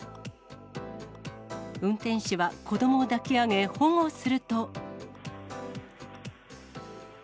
運転手は子どもを抱き上げ、保護すると。